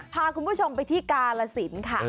พาคุณผู้ชมไปที่กาลสินค่ะ